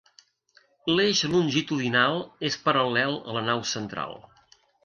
L'eix longitudinal és paral·lel a la nau central.